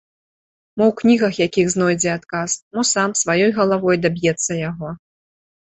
Мо ў кнігах якіх знойдзе адказ, мо сам, сваёй галавой даб'ецца яго.